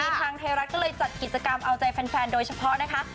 ทางไทยรัฐก็เลยจัดกิจกรรมเอาใจแฟนโดยเฉพาะนะคะ